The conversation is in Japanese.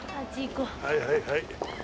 はいはいはい。